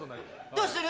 どうする？